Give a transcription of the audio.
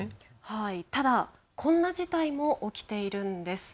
ただ、こんな事態も起きているんです。